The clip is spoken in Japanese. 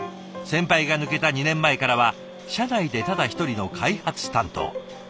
先輩が抜けた２年前からは社内でただ１人の開発担当。